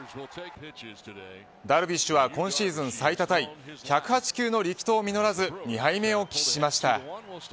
ダルビッシュは今シーズン最多タイ１０８球の力投実らず２敗目を喫しました。